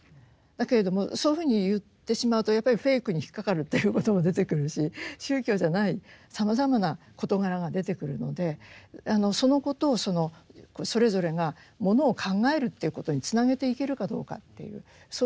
だけれどもそういうふうに言ってしまうとやっぱりフェイクに引っ掛かるということも出てくるし宗教じゃないさまざまな事柄が出てくるのでそのことをそれぞれがものを考えるっていうことにつなげていけるかどうかっていうそういうことが問われてると思いますね。